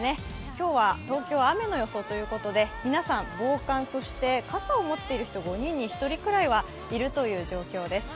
今日は東京は雨の予想ということで、皆さん防寒、傘を持っている人、５人に１人ぐらいはいるという状況です。